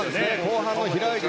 後半の平泳ぎ。